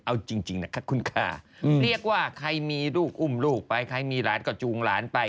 เอาจริงนะครับคุณค่ะเรียกว่าใครมีลูกอุ้มลูกไปใครมีหลานก็จูงหลานไป